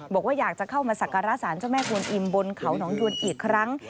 บอกว่าอยากจะเข้ามาสักการะสารเจ้าแม่กวนอิมบนเขาหนองยวนอีกครั้ง